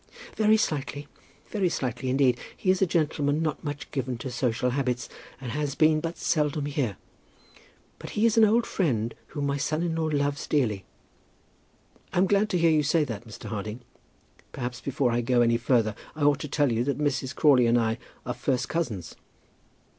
"Very slightly, very slightly indeed. He is a gentleman not much given to social habits, and has been but seldom here. But he is an old friend whom my son in law loves dearly." "I'm glad to hear you say that, Mr. Harding. Perhaps before I go any further I ought to tell you that Mrs. Crawley and I are first cousins."